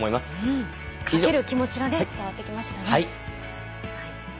賭ける気持ちが伝わってきましたね。